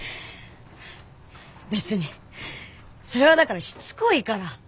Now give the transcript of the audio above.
別にそれはだからしつこいから。